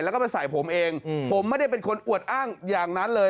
แล้วก็ไปใส่ผมเองผมไม่ได้เป็นคนอวดอ้างอย่างนั้นเลย